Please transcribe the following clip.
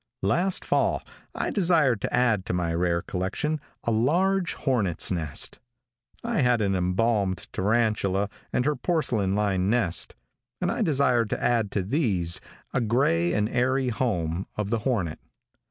Last fall I desired to add to my rare collection a large hornet's nest. I had an embalmed tarantula and her porcelain lined nest, and I desired to add to these the gray and airy home of the hornet.